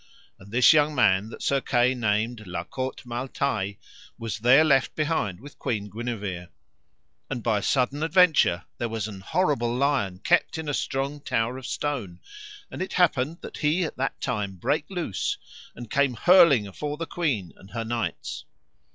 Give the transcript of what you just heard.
And this young man that Sir Kay named La Cote Male Taile was there left behind with Queen Guenever; and by sudden adventure there was an horrible lion kept in a strong tower of stone, and it happened that he at that time brake loose, and came hurling afore the queen and her knights.